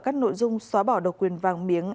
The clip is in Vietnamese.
các nội dung xóa bỏ độc quyền vàng miếng